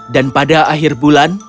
dan pada akhir bulan